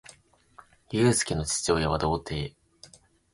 ゆうすけの父親は童貞